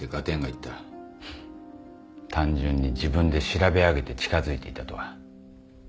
単純に自分で調べあげて近づいていたとは